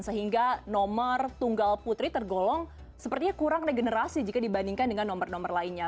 sehingga nomor tunggal putri tergolong sepertinya kurang regenerasi jika dibandingkan dengan nomor nomor lainnya